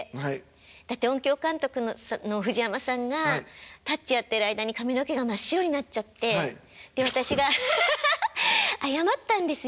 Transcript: だって音響監督の藤山さんが「タッチ」やってる間に髪の毛が真っ白になっちゃってで私が謝ったんですよ。